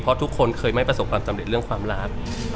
เพราะทุกคนเคยไม่ประสบความสำเร็จเรื่องความรัก